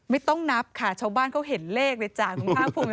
ไม่ต้องนับค่ะชาวบ้านเขาเห็นเลขเลยจ้ะคุณภาคภูมิ